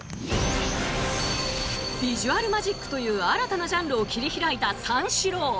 ビジュアルマジックという新たなジャンルを切り開いた三志郎。